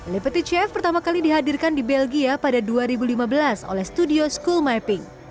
lipety chef pertama kali dihadirkan di belgia pada dua ribu lima belas oleh studio school mapping